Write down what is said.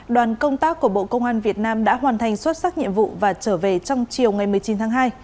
đoàn công tác của bộ công an việt nam đã hoàn thành xuất sắc nhiệm vụ và trở về trong chiều ngày một mươi chín tháng hai